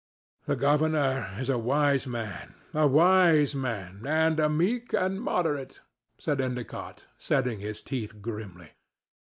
"The governor is a wise man—a wise man, and a meek and moderate," said Endicott, setting his teeth grimly.